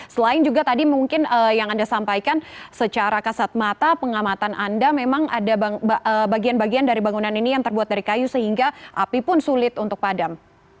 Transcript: selain juga tadi mungkin yang anda sampaikan secara kasat mata pengamatan anda memang ada bagian bagian dari bangunan ini yang terbuat dari kayu sehingga api pun sulit untuk padam